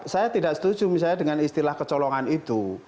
saya tidak setuju misalnya dengan istilah kecolongan itu